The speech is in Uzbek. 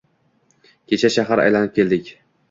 — Kecha shahar aylanib keldik.